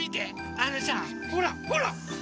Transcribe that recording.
あのさほらほら！